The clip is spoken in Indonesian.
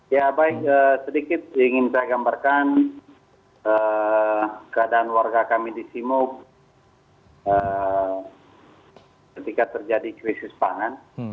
ya baik sedikit ingin saya gambarkan keadaan warga kami di simu ketika terjadi krisis pangan